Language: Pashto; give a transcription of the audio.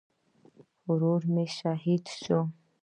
ورور مې شهید شو